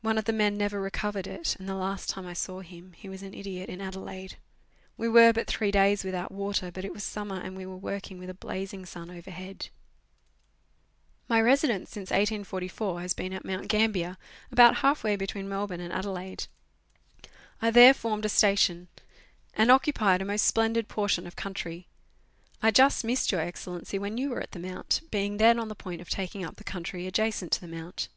One of the men never recovered it, and the last time I saw him he was nu idiot in Adelaide. We were but three days without water, but it was summer, and we were working with a blazing sun overhead. Letters from Victorian Pioneers. 247 My residence since 1844 has been at Mount Gam bier, about half way between Melbourne and Adelaide. I there formed a station, and occupied a most splendid portion of country. I just missed Your Excellency when you were at the Mount, being then on the point of taking up the country adjacent to the Mount.